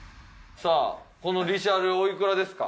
さあこのリシャールおいくらですか？